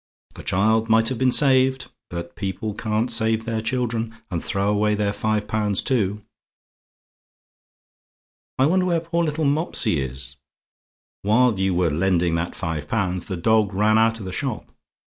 The child might have been saved; but people can't save their children and throw away their five pounds too. "I wonder where poor little Mopsy is! While you were lending that five pounds, the dog ran out of the shop.